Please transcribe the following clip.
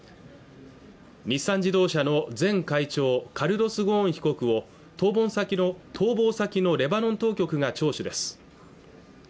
日産自動車の前会長カルロス・ゴーン被告を逃亡先のレバノン当局が聴取です